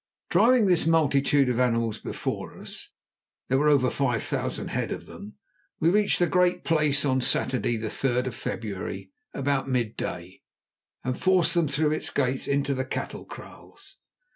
Driving this multitude of animals before us—there were over five thousand head of them—we reached the Great Place on Saturday the 3rd of February about midday, and forced them through its gates into the cattle kraals.